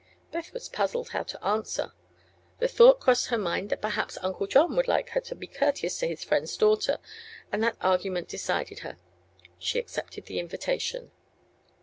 Beth was puzzled how to answer. The thought crossed her mind that perhaps Uncle John would like her to be courteous to his friend's daughter, and that argument decided her. She accepted the invitation.